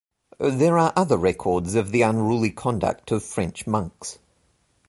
There are other records of the unruly conduct of French monks.